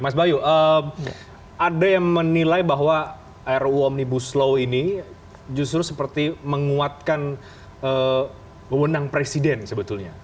mas bayu ada yang menilai bahwa ruu omnibus law ini justru seperti menguatkan wewenang presiden sebetulnya